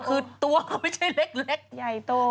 คือตัวเขาก็ไม่ใช่เล็ก